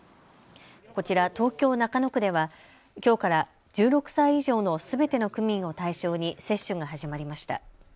こちら、東京中野区ではきょうから１６歳以上のすべての区民を対象に接種が始まりました。